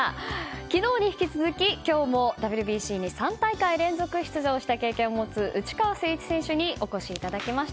昨日に引き続き今日もＷＢＣに３大会連続出場した経験を持つ内川聖一選手にお越しいただきました。